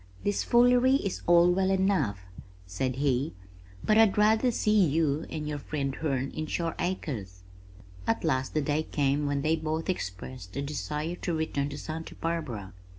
"This foolery is all well enough," said he, "but I'd rather see you and your friend Herne in Shore Acres." At last the day came when they both expressed a desire to return to Santa Barbara.